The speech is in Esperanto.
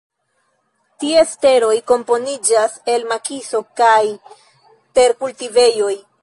Ties teroj komponiĝas el makiso kaj terkultivejoj.